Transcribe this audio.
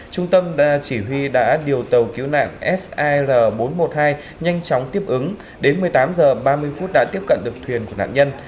trung tâm chỉ huy đã điều tàu cứu nạn sir bốn trăm một mươi hai nhanh chóng tiếp ứng đến một mươi tám h ba mươi đã tiếp cận được thuyền của nạn nhân